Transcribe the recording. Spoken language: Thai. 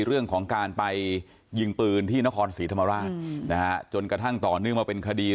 ส่งเรื่องของการไปยิ่งปืนที่นครศรีธรรมาตรฐจนกระทั่งต่อเรื่องไปเป็นคดีคดี